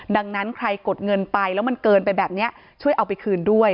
ดังนั้นใครกดเงินไปแล้วมันเกินไปแบบนี้ช่วยเอาไปคืนด้วย